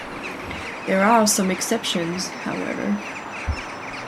There are some exceptions, however.